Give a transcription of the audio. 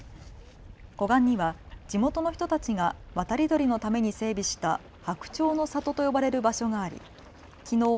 湖岸には地元の人たちが渡り鳥のために整備した白鳥の里と呼ばれる場所がありきのう